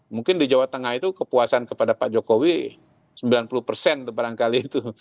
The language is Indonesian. mungkin di jawa tengah itu kepuasan kepada pak jokowi sembilan puluh persen barangkali itu